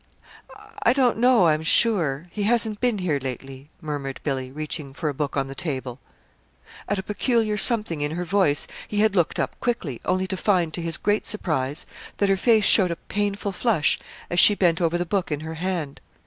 "I don't know, I'm sure. He hasn't been here lately," murmured Billy, reaching for a book on the table. At a peculiar something in her voice, he had looked up quickly, only to find, to his great surprise, that her face showed a painful flush as she bent over the book in her hand.